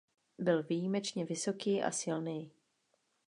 Byl výjimečně vysoký a silný.